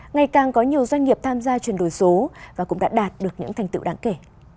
ngày càng có nhiều doanh nghiệp tham gia chuyển đổi số và cũng đã đạt được những thành tựu đáng kể